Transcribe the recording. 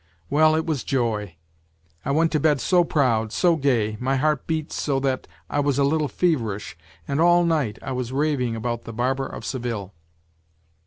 Well, it was joy ! I went to bed so proud, so gay, my heart beat so that I was a little feverish, and all night I was raving about The Barber of Seville.